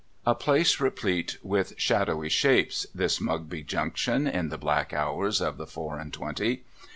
A place replete with shadowy shapes, this Mugby Junction in the black hours of the four and twenty.